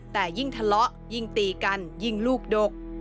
แต่ยิ่งทะเลาะยิ่งตีกันยิ่งลูกดก